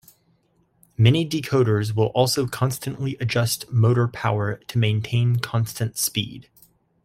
Many decoders will also constantly adjust motor power to maintain constant speed.